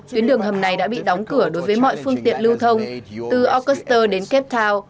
tuyến đường hầm này đã bị đóng cửa đối với mọi phương tiện lưu thông từ aukus đến capt town